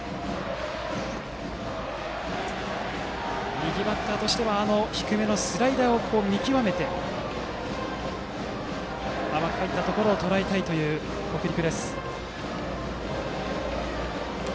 右バッターとしては低めのスライダーを見極めて甘く入ったところをとらえたいという北陸。